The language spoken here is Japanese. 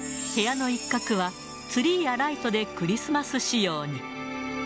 部屋の一角は、ツリーやライトでクリスマス仕様に。